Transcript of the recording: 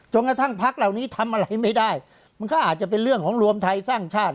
กระทั่งพักเหล่านี้ทำอะไรไม่ได้มันก็อาจจะเป็นเรื่องของรวมไทยสร้างชาติ